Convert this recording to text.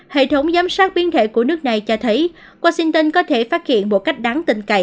hệ thống giám sát biến thể của nước này cho thấy washington có thể phát hiện một cách đáng tình cậy